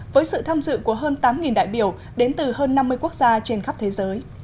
với sự tham dự của hơn tám đại biểu đến từ hơn năm mươi quốc gia trên khắp thế giới